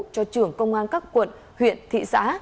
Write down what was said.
cho trưởng công an các quận huyện thị xã